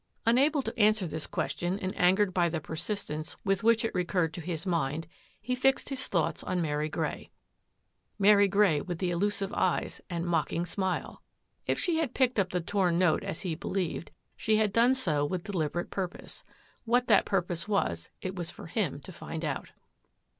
Unable to answer this question and angero the persistence with which it recurred to his n he fixed his thoughts on Mary Grey. Mary ( with the elusive eyes and mocking smile! I had picked up the torn note as he believed had done so with deliberate purpose. What purpose was it was for him to find out.